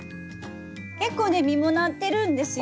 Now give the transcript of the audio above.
結構ね実もなってるんですよ。